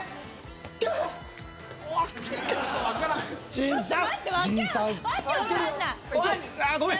陣さん！